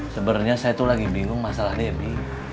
sebenernya saya tuh lagi bingung masalah debi